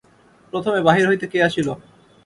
প্রথমে বাহির হইতে কে আসিল।